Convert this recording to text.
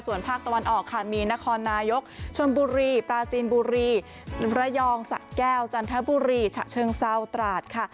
ส่วนภาคตะวันออกค่ะมีนครนายกชนบุรีปลาจีนบุรีระยองสะแก้วจันทบุรีฉะเชิงเศร้าตราดค่ะ